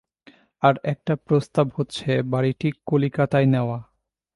আর একটা প্রস্তাব হচ্ছে, বাড়ীটি কলিকাতায় নেওয়া।